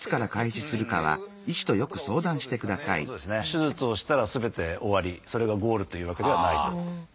手術をしたらすべて終わりそれがゴールというわけではないと。